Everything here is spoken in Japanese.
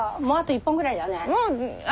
もうあと１本くらいで。